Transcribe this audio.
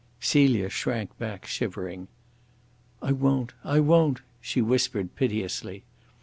Celia shrank back, shivering. "I won't! I won't!" she whispered piteously.